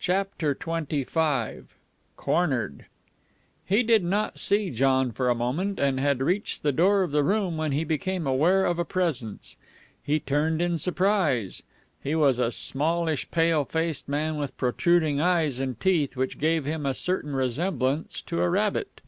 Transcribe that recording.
CHAPTER XXV CORNERED He did not see John for a moment, and had reached the door of the room when he became aware of a presence. He turned in surprise. He was a smallish, pale faced man with protruding eyes and teeth which gave him a certain resemblance to a rabbit.